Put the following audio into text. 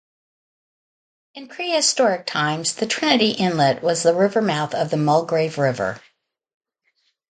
In prehistoric times, the Trinity Inlet was the river mouth of the Mulgrave River.